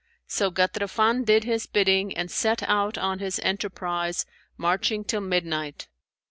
So Ghatrafan did his bidding and set out on his enterprise marching till midnight.